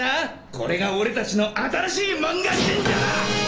これがオレたちの新しい満願神社だ！